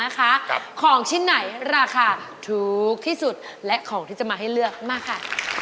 ของชิ้นไหนราคาถูกที่สุดและของที่จะมาให้เลือกมาค่ะ